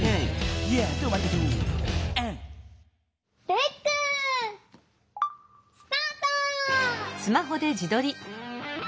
レックスタート！